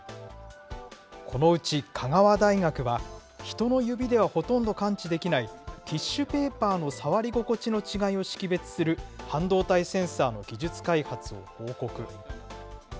このうち香川大学は、人の指ではほとんど感知できない、ティッシュペーパーの触り心地の違いを識別する半導体センサーの技術開発を報告。